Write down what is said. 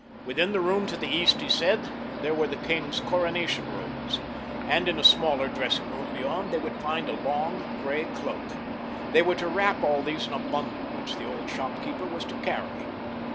Within the room to the east, he said, there were the king's coronation robes, and in a smaller dressingroom beyond they would find a long gray cloak. They were to wrap all these in a bundle which the old shopkeeper was to carry.